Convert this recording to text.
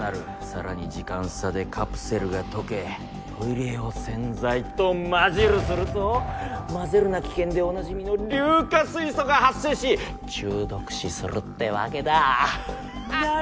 さらに時間差でカプセルが溶けトイレ用洗剤と混じるすると混ぜるな危険でおなじみの硫化水素が発生し中毒死するってわけだアハハ！